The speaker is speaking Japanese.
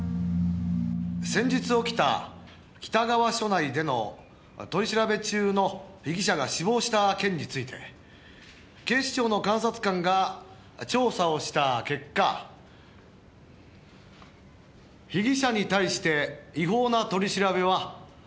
「先日起きた北川署内での取り調べ中の被疑者が死亡した件について警視庁の監察官が調査をした結果被疑者に対して違法な取り調べはありませんでした」